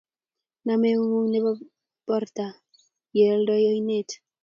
Nam eungung nebo Borther yeilondoi oinet